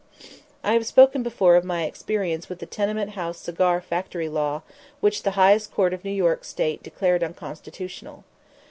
I have spoken before of my experience with the tenement house cigar factory law which the highest court of New York State declared unconstitutional.